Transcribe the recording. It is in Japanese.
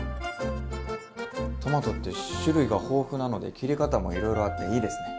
トマトって種類が豊富なので切り方もいろいろあっていいですね。